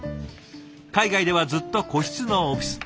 海外ではずっと個室のオフィス。